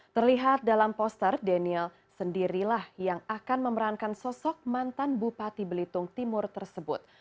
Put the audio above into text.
terlihat dalam poster daniel sendirilah yang akan memerankan sosok mantan bupati belitung timur tersebut